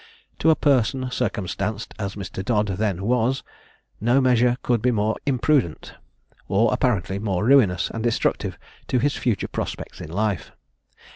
To a person circumstanced as Mr. Dodd then was, no measure could be more imprudent, or apparently more ruinous and destructive to his future prospects in life.